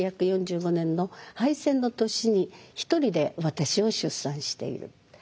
１９４５年の敗戦の年に一人で私を出産している。